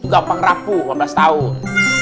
gampang rapuh lima belas tahun